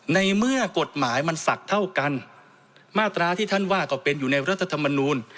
ในเมื่อกฎหมายมันศักดิ์เท่ากันมาตราที่ท่านว่าก็เป็นอยู่ในรัฐธรรมนูล